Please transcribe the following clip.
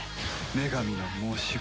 女神の申し子